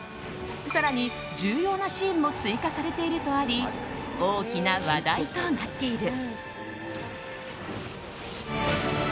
更に重要なシーンも追加されているとあり大きな話題となっている。